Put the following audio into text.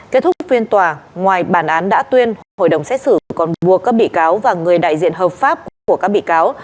kết thúc phiên tòa ngoài bản án đã tuyên hội đồng xét xử còn buộc các bị cáo và người đại diện hợp pháp của các bị cáo